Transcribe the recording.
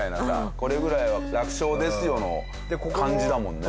これぐらいは楽勝ですよの感じだもんね。